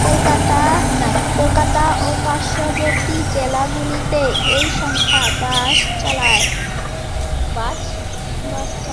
কলকাতা ও পার্শ্ববর্তী জেলাগুলিতে এই সংস্থা বাস চালায়।